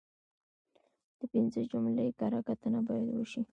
د پنځه جملې کره کتنه باید وشي.